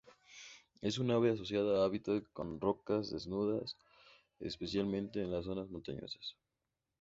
Es un ave asociada a hábitats con rocas desnudas, especialmente en las zonas montañosas.